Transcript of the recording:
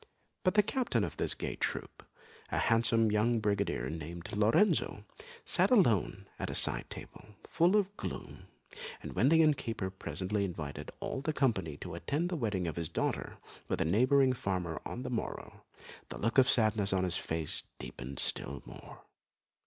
But the captain of this gay troop, a handsome young brigadier named Lorenzo, sat alone at a side table, full of gloom; and when the inn keeper presently invited all the company to attend the wedding of his daughter with a neighbouring farmer on the morrow, the look of sadness on his face deepened still more.